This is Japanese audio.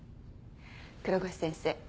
黒越先生